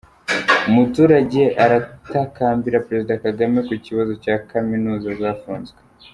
Umuturage aratakambira Perezida Kagame ku kibazo cya Kaminuza zafunzwe.